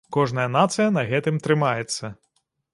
Кожная нацыя на гэтым трымаецца.